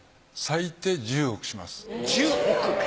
最低１０億します。